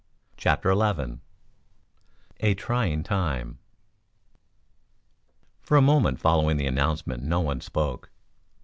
CHAPTER XI A TRYING TIME For a moment following the announcement no one spoke.